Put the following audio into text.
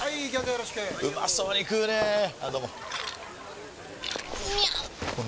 よろしくうまそうに食うねぇあどうもみゃう！！